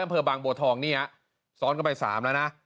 อำเภอบางบัวทองนี่ฮะซ้อนกันไป๓แล้วนะ